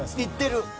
行ってる。